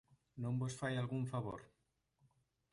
Non vos fai algún favor?